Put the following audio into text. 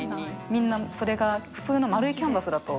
みんなそれが普通の丸いキャンバスだと。